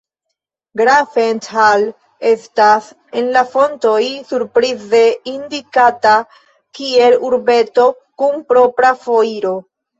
Grafenthal estas en la fontoj surprize indikata kiel urbeto kun propra foiro.